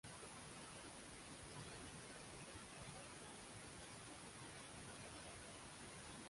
ব্যবহারকারী স্বাধীনভাবে তথ্য এবং তথ্যের উৎস সম্পর্কে আলোচনা করতে পারেন।